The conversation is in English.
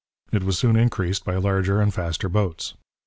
It was soon increased by larger and faster boats.